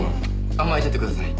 甘えちゃってください。